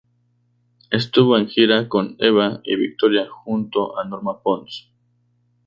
Estuvo en gira con "Eva y Victoria" junto a Norma Pons.